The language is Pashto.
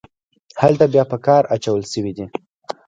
هلته بیا په کار اچول شوي دي.